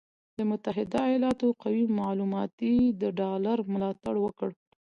د متحده ایالاتو قوي معلوماتو د ډالر ملاتړ وکړ،